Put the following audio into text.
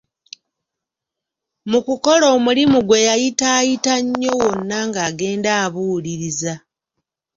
Mu kukola omulimu gwe yayitaayita nnyo wonna ng'agenda abuuliriza.